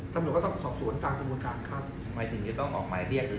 ทำลูกก็ต้องสอบสวนการกรรมการครับทำไมจริงจริงต้องออกหมายเรียกหรือ